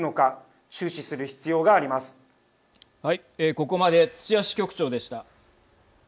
ここまで土屋支局長でした。